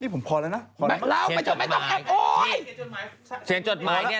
ผมพอแล้วนะ